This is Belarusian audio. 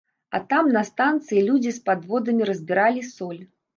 А там на станцыі людзі з падводамі разбіралі соль.